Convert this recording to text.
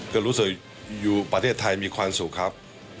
ก็รู้สึกอยู่ประเทศไทยมีความสุขครับ